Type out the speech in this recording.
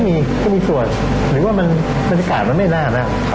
ก็มีก็มีส่วนหรือว่าบรรยากาศมันไม่น่านะ